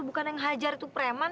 bukan yang hajar itu preman